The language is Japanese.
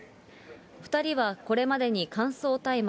２人はこれまでに乾燥大麻